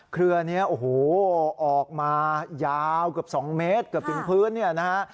เครือนี้โอ้โหออกมายาวเกือบ๒เมตรเกือบถึงพื้นเนี่ยนะฮะ